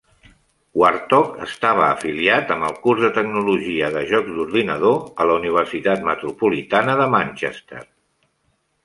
Warthog estava afiliat amb el curs de tecnologia de jocs d'ordinador a la Universitat Metropolitana de Manchester.